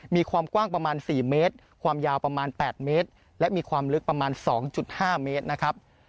มีความกว้างประมาณ๔เมตรความยาวประมาณ๘เมตรและมีความลึกประมาณ๒๕เมตรนะครับ